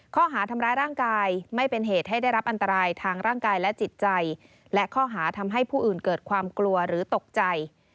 ข้อหาทำร้ายร่างกายไม่เป็นเหตุให้ได้รับอันตรายทางร่างกายและจิตใจและข้อหาทำให้ผู้อื่นเกิดความกลัวหรือตกใจ